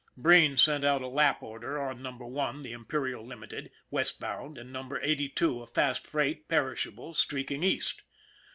Breen sent out a lap order on Number One, the Imperial Limited, westbound, and Number Eighty Two, a fast freight, perishable, streaking east.